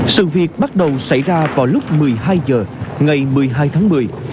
sự việc bắt đầu xảy ra vào lúc một mươi hai h ngày một mươi hai tháng một mươi